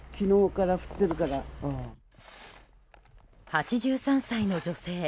８３歳の女性。